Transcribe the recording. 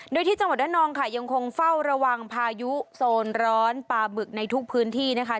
โดยที่จังหวัดระนองค่ะยังคงเฝ้าระวังพายุโซนร้อนปลาบึกในทุกพื้นที่นะคะ